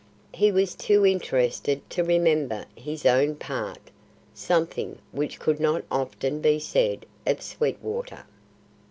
He was too interested to remember his own part something which could not often be said of Sweetwater.